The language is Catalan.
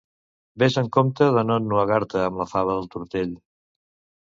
Ves amb compte de no ennuegar-te amb la fava del tortell!